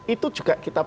itu juga kita bahas